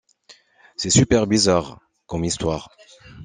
C’est super bizarre, comme histoire...